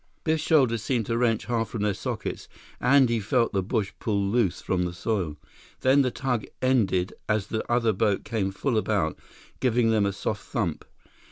Biff's shoulders seemed to wrench half from their sockets, and he felt the bush pull loose from the soil. Then the tug ended as the other boat came full about, giving them a soft thump.